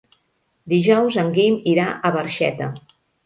Dijous en Guim irà a Barxeta.